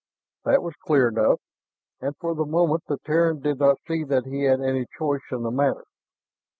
That was clear enough, and for the moment the Terran did not see that he had any choice in the matter.